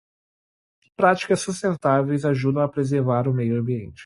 Práticas sustentáveis ajudam a preservar o meio ambiente.